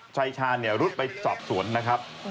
ชายชาญรุดไปสอบสวนนะครับ